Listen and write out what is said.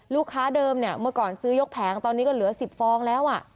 เดิมเนี่ยเมื่อก่อนซื้อยกแผงตอนนี้ก็เหลือ๑๐ฟองแล้ว